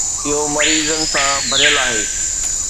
اهو مريضن سان ڀريل آهي.